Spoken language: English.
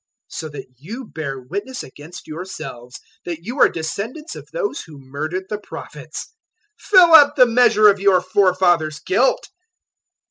023:031 "So that you bear witness against yourselves that you are descendants of those who murdered the Prophets. 023:032 Fill up the measure of your forefathers' guilt.